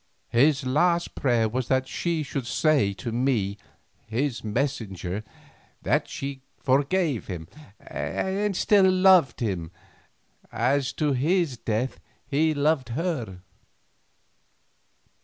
His last prayer was that she should say to me, his messenger, that she forgave him and still loved him, as to his death he loved her."